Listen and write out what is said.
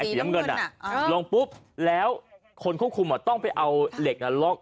สีเบื้อนอะลงปุ๊บแล้วคนควบคุมต้องไปเอาเหล็กล็อก